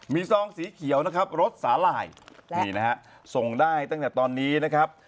มีซองสีเขียวนะครับรถสาหร่ายนี่นะฮะส่งได้ตั้งแต่ตอนนี้นะครับ